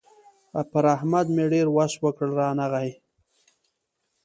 پر احمد مې ډېر وس وکړ؛ رانغی.